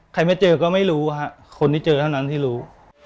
ไม่เจอก็ไม่รู้ค่ะคนที่เจอเท่านั้นที่รู้